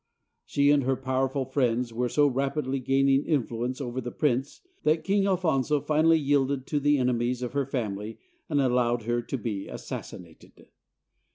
She and her powerful friends were so rapidly gaining influence over the prince that King Alfonso finally yielded to the enemies of her family and allowed her to be assassinated.